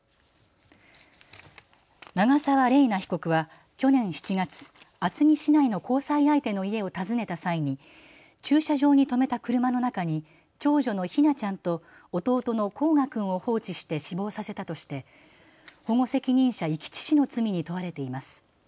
長澤麗奈被告は去年７月、厚木市内の交際相手の家を訪ねた際に駐車場に止まった車の中に長女の姫梛ちゃんと弟の煌翔君を放置して死亡させたとして、保護責任者遺棄致死の罪に問われています。